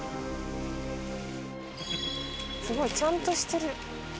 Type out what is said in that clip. すごい。ちゃんとしてる。